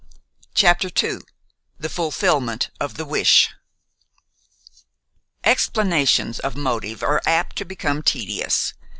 CHAPTER II THE FULFILLMENT OF THE WISH Explanations of motive are apt to become tedious.